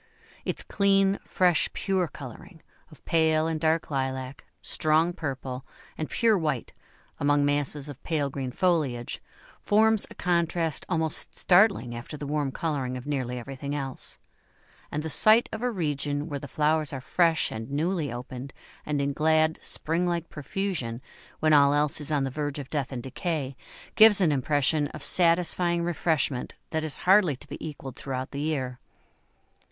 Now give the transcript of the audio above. Its clean, fresh, pure colouring, of pale and dark lilac, strong purple, and pure white, among masses of pale green foliage, forms a contrast almost startling after the warm colouring of nearly everything else; and the sight of a region where the flowers are fresh and newly opened, and in glad spring like profusion, when all else is on the verge of death and decay, gives an impression of satisfying refreshment that is hardly to be equalled throughout the year.